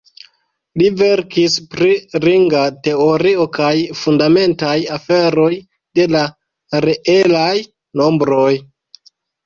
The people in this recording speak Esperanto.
Li verkis pri ringa teorio kaj fundamentaj aferoj de la reelaj nombroj.